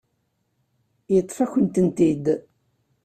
Yeṭṭef-akent-tent-id.